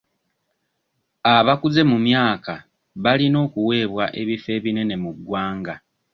Abakuze mu myaka balina okuweebwa ebifo ebinene mu ggwanga.